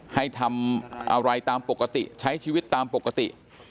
ให้ทำอะไรตามปกติใช้ชีวิตตามปกติ